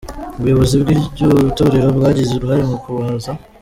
Ubuyobozi bw'iryo torero bwagize uruhare mu kubahuza.